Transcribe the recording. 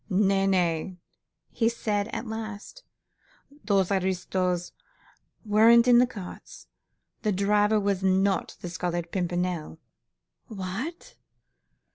"Nay, nay!" he said at last, "those aristos weren't in the cart; the driver was not the Scarlet Pimpernel!" "What?"